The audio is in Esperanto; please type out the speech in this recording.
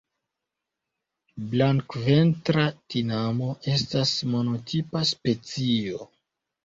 La Blankventra tinamo estas monotipa specio.